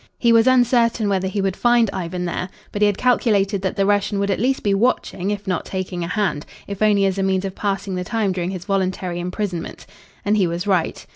He was uncertain whether he would find Ivan there, but he had calculated that the Russian would at least be watching, if not taking a hand, if only as a means of passing the time during his voluntary imprisonment. And he was right.